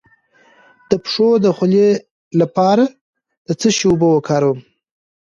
د پښو د خولې لپاره د څه شي اوبه وکاروم؟